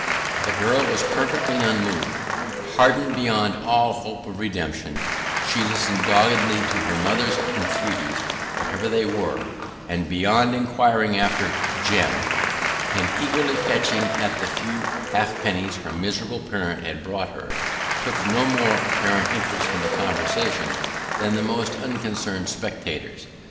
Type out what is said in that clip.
The girl was perfectly unmoved. Hardened beyond all hope of redemption, she listened doggedly to her mother's entreaties, whatever they were: and, beyond inquiring after 'Jem,' and eagerly catching at the few halfpence her miserable parent had brought her, took no more apparent interest in the conversation than the most unconcerned spectators.